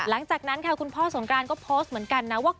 หลังจากนั้นค่ะคุณพ่อสงกรานก็โพสต์เหมือนกันนะว่า